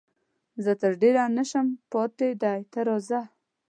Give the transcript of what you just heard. زه تر ډېره نه شم پاتېدای، ته راځه.